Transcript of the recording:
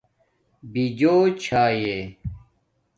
بِجوچھایݺ